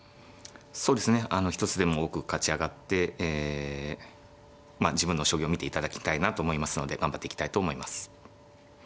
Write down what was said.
そうですね一つでも多く勝ち上がってえまあ自分の将棋を見ていただきたいなと思いますので頑張っていきたいと思います。